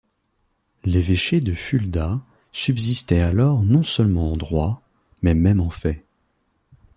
L'évêché de Fulda subsistait alors non seulement en droit, mais même en fait.